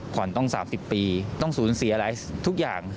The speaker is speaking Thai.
ผ่อนต้อง๓๐ปีต้องศูนย์เสียอะไรทุกอย่าง